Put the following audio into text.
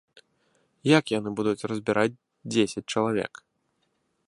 Як яны будуць разбіраць дзесяць чалавек?